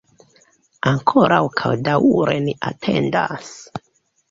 Ankoraŭ kaj daŭre ni atendas.